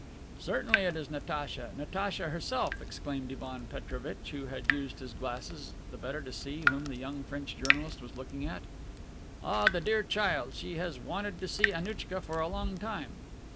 "Certainly it is Natacha, Natacha herself," exclaimed Ivan Petrovitch, who had used his glasses the better to see whom the young French journalist was looking at. "Ah, the dear child! she has wanted to see Annouchka for a long time."